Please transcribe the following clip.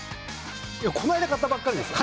この間買ったばっかりですよ。